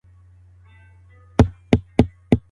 زده کوونکي باید د خپلو پایلو په اړه خبر سي.